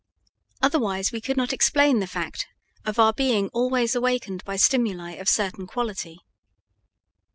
Otherwise we could not explain the fact of our being always awakened by stimuli of certain quality.